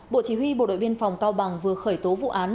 bộ chỉ huy bộ đội biên phòng cao bằng vừa khởi tố vụ án